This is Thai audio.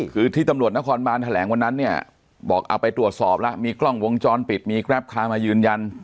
คือที่ตำรวจนครบานแถลงวันนั้นเนี่ยบอกเอาไปตรวจสอบแล้วมีกล้องวงจรปิดมีแกรปคามายืนยัน